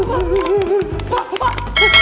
pak pak pak